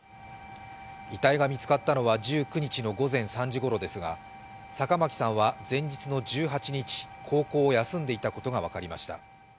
遺体が見つかったのは１９日の午前３時ごろですが坂巻さんは前日の１８日、高校を休んでいたことが分かりました。